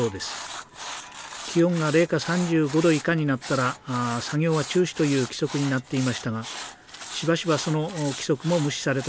気温が零下３５度以下になったら作業は中止という規則になっていましたがしばしばその規則も無視されたといいます。